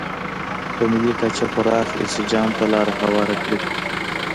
په ملي کچه پراخ انسجام ته لار هواره کړي.